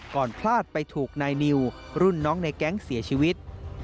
พลาดไปถูกนายนิวรุ่นน้องในแก๊งเสียชีวิต